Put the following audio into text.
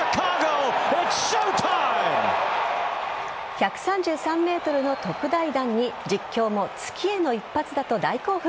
１３３ｍの特大弾に実況も、月への一発だと大興奮。